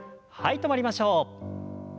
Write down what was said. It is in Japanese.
止まりましょう。